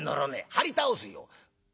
「はり倒すよ」。